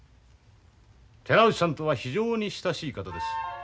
寺内さんとは非常に親しい方です。